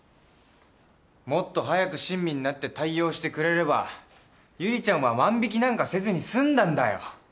もっと早く親身になって対応してくれれば悠里ちゃんは万引きなんかせずに済んだんだよ。